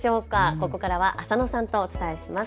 ここからは浅野さんとお伝えします。